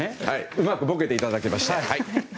うまくボケていただきました。